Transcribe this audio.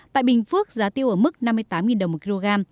tại bình phước giá tiêu ở mức năm mươi tám đồng một kg